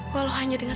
walau hanya dengan